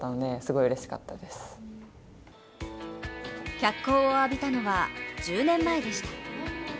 脚光を浴びたのは１０年前でした。